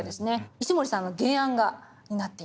石森さんの原案画になっています。